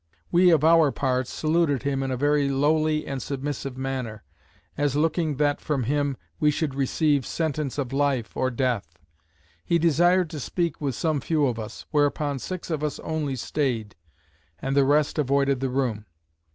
We of our parts saluted him in a very lowly and submissive manner; as looking that from him, we should receive sentence of life, or death: he desired to speak with some few of us: whereupon six of us only staid, and the rest avoided the room.